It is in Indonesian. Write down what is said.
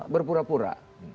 berpura pura waktu itu